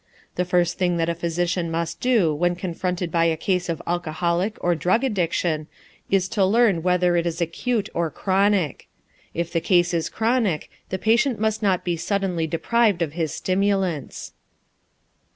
The first thing that a physician must do when confronted by a case of alcoholic or drug addiction is to learn whether it is acute or chronic. If the case is chronic, the patient must not be suddenly deprived of his stimulants.